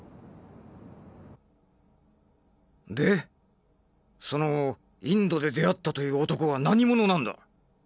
でそのインドで出会ったという男は何者なんだ？